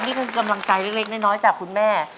นี่คือกำลังใจเล็กน้อยจากคุณแม่